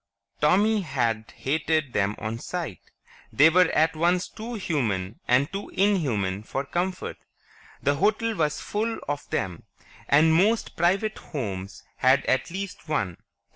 Tommy had hated them on sight; they were at once too human and too inhuman for comfort. The hotel was full of them, and most private homes had at least one.